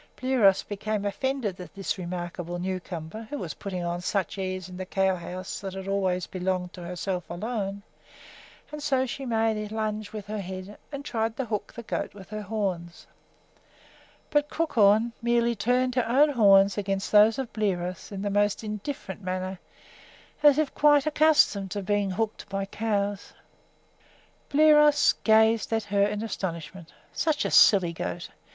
Bliros became offended at this remarkable newcomer, who was putting on such airs in the cow house that had always belonged to herself alone, and so she made a lunge with her head and tried to hook the goat with her horns; but Crookhorn merely turned her own horns against those of Bliros in the most indifferent manner, as if quite accustomed to being hooked by cows. Bliros gazed at her in astonishment. Such a silly goat!